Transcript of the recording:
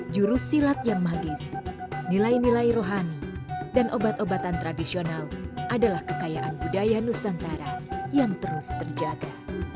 juru silat yang magis nilai nilai rohani dan obat obatan tradisional adalah kekayaan budaya nusantara yang terus terjaga